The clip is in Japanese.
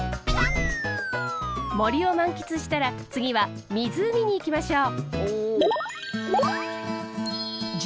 森を満喫したら次は湖に行きましょう。